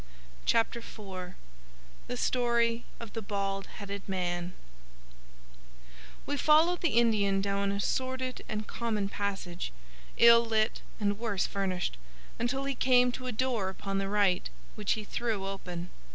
Chapter IV The Story of the Bald Headed Man We followed the Indian down a sordid and common passage, ill lit and worse furnished, until he came to a door upon the right, which he threw open.